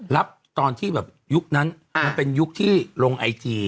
รับตอนที่แบบยุคนั้นมันเป็นยุคที่ลงไอจี